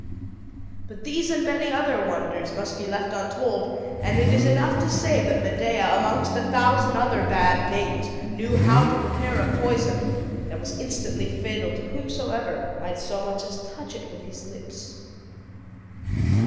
But these and many other wonders must be left untold; and it is enough to say, that Medea, amongst a thousand other bad things, knew how to prepare a poison, that was instantly fatal to whomsoever might so much as touch it with his lips.